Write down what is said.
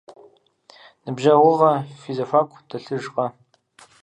Ныбжьэгъугъэ фи зэхуаку дэлъыжкъэ?